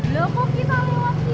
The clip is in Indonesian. loh kok kita lewat sini sih kakak